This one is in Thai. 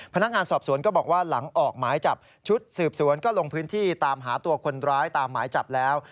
พนักงานสอบสวนก็บอกว่าหลังออกหมายจับชุดสืบสวนก็ลงพื้นที่ตามหาตัวคนร้ายตามหมายจับแล้ว